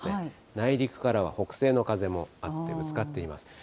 内陸からは北西の風もあってぶつかっています。